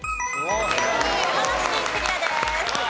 山梨県クリアです。